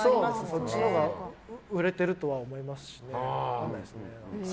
そっちのほうが売れているとは思いますね。